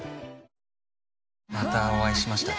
またお会いしましたね。